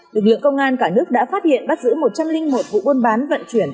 lực lượng công an cả nước đã phát hiện bắt giữ một trăm linh một vụ buôn bán vận chuyển